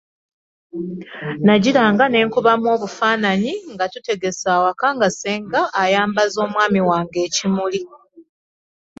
Nagiranga ne nkubamu obufaananyi nga tutegese awaka, nga ssenga ayambaza omwami wange ekimuli.